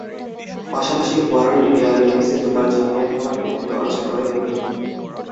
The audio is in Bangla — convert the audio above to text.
পাশাপাশি ওয়ার্ল্ড এয়ার গেমসে দুবার চ্যাম্পিয়ন হওয়ার কৃতিত্ব অর্জন করেন তিনি।